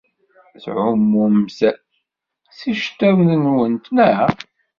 Tɛumemt s yiceḍḍiḍen-nwent, naɣ?